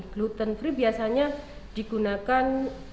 gluten free biasanya digunakan